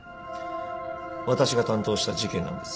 私が担当した事件なんです。